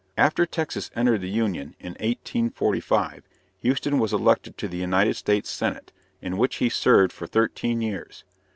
After Texas entered the Union, in 1845, Houston was elected to the United States Senate, in which he served for thirteen years.